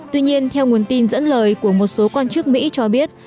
tuy nhiên theo nguồn tin dẫn lời của một số quan chức mỹ cho biết